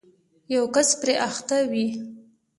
یو کس پرې اخته وي